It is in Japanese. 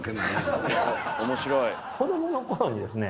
子どもの頃にですね